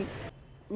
vì vậy thì